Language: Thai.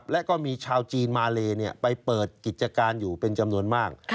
และก็มีชาวจีนมาเลไปเปิดกิจการอยู่เป็นจำนวนมาก